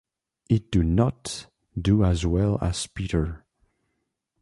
It do not do as well as "Peter".